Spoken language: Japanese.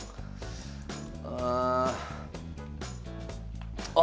ああ。